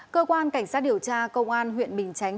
cơ quan cảnh sát điều tra công an huyện bình chánh